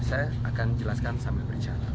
saya akan jelaskan sambil periksa